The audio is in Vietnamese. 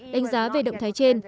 đánh giá về động thái trên